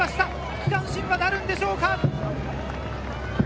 区間新はなるのでしょうか？